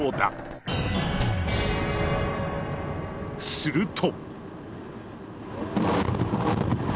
すると！